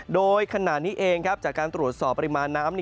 โดยขณะนี้เองจากการตรวจสอบปริมาณน้ำ